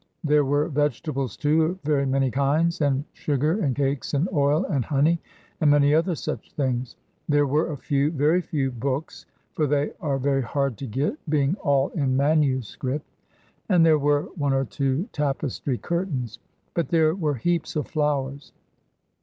There were vegetables, too, of very many kinds, and sugar and cakes and oil and honey, and many other such things. There were a few, very few, books, for they are very hard to get, being all in manuscript; and there were one or two tapestry curtains; but there were heaps of flowers.